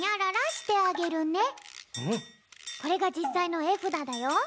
これがじっさいのえふだだよ。